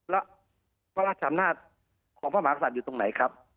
และพระราชอำนาจของพระมหากษัตริย์อยู่ตรงไหนครับ